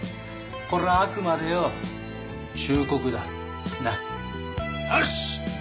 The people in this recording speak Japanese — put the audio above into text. これはあくまでよ忠告だなっよし！